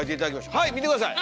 はい見て下さい！